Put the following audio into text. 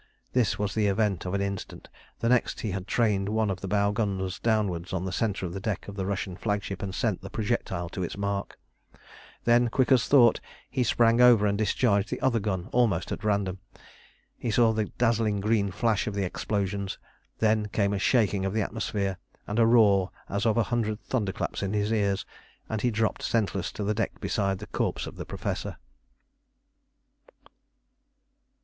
This was the event of an instant. The next he had trained one of the bow guns downwards on the centre of the deck of the Russian flagship and sent the projectile to its mark. Then quick as thought he sprang over and discharged the other gun almost at random. He saw the dazzling green flash of the explosions, then came a shaking of the atmosphere, and a roar as of a hundred thunder claps in his ears, and he dropped senseless to the deck beside the corpse of the Professor.